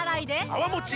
泡もち